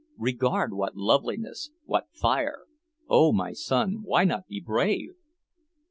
Regard what loveliness, what fire! Oh, my son, why not be brave?"